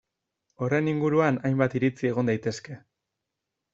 Horren inguruan hainbat iritzi egon daitezke.